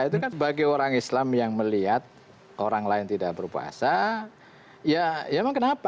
itu kan bagi orang islam yang melihat orang lain tidak berpuasa ya emang kenapa